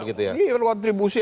iya kontribusi ada